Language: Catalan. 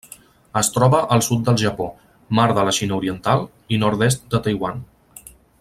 Es troba al sud del Japó, Mar de la Xina Oriental i nord-est de Taiwan.